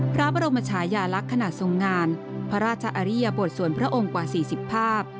พระบรมชายาลักษณ์ขณะทรงงานพระราชอริยบทส่วนพระองค์กว่า๔๐ภาพ